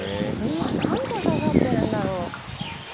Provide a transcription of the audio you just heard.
今何個ささってるんだろう？